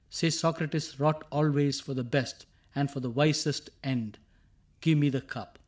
Say Socrates wrought always for the best And for the wisest end ... Give me the cup